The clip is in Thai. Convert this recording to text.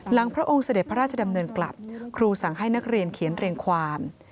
พระองค์เสด็จพระราชดำเนินกลับครูสั่งให้นักเรียนเขียนเรียงความ